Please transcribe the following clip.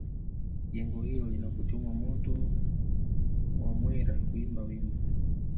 Jengo hilo linapochomwa moto wamwera huimba wimbo